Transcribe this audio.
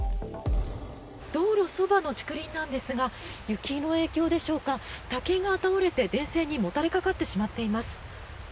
道路そばの竹林なんですが雪の影響でしょうか竹が倒れて電線にもたれかかってしまっています。